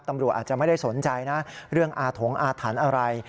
ตำรวจอาจจะไม่ได้สนใจนะเรื่องอาถงอาถรรพ์อะไร